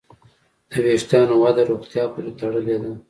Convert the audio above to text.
د وېښتیانو وده روغتیا پورې تړلې ده.